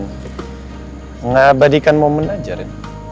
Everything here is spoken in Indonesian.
mengabadikan momen aja ren